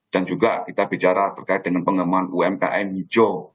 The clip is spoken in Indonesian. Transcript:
dan juga kita bicara berkait dengan pengembangan umkm hijau